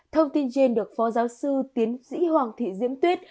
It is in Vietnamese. thông tin trên được phó giáo sư tiến sĩ hoàng thị diễm tuyết